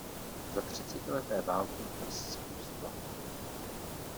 Za třicetileté války tvrz zpustla.